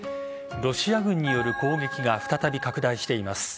ロシア軍による攻撃が再び拡大しています。